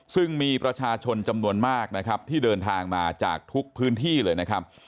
ซึ่งมีประชาชนจำนวนมากนะครับที่เดินทางมาจากทุกพื้นที่เลยนะครับ